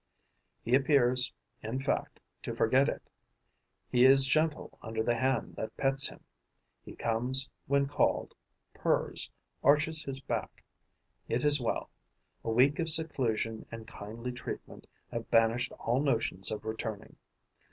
He appears, in fact, to forget it: he is gentle under the hand that pets him, he comes when called, purrs, arches his back. It is well: a week of seclusion and kindly treatment have banished all notions of returning.